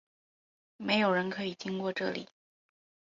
没有人可以经过这里！